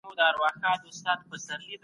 د دوی خولې د زعفرانو په رنګ کې ګډې دي.